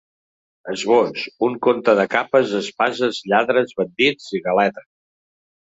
Esbós: Un conte de capes, espases, lladres, bandits i galetes.